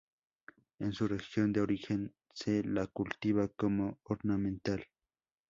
En su región de origen se la cultiva como ornamental.